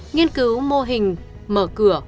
nghiên cứu mô hình mở cửa